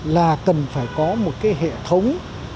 là cần phải có một cái hệ thống